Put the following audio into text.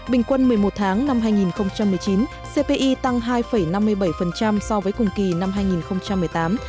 bình quân một mươi một tháng năm hai nghìn một mươi chín cpi tăng hai năm mươi bảy so với cùng kỳ năm hai nghìn một mươi tám